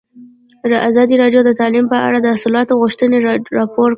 ازادي راډیو د تعلیم په اړه د اصلاحاتو غوښتنې راپور کړې.